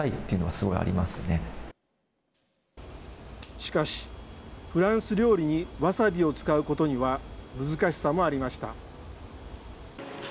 しかし、フランス料理にワサビを使うことには難しさもありました。